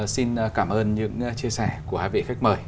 xin cảm ơn những chia sẻ của hai vị khách mời